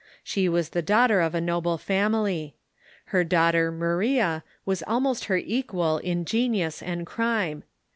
She was the daughter of a noble family. Her daughter Maria was almost her equal in genius and crime.